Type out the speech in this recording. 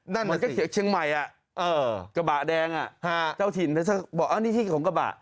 มันก็เขียนเชียงใหม่กระบะแดงเจ้าถิ่นแล้วเจ้าบอกนี่ที่ของกระบะ